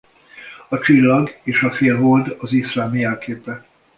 A csillag és a félhold az iszlám jelképe.